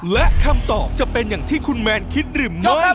และคำตอบจะเป็นอย่างที่คุณแมนคิดหรือไม่